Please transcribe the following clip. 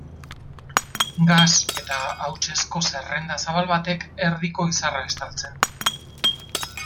Gas eta hautsezko zerrenda zabal batek erdiko izarra estaltzen du.